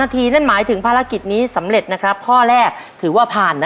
ถ้าพร้อมแล้ว